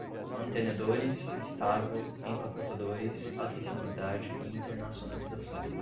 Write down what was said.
mantenedores, instável, empacotadores, acessibilidade e internacionalização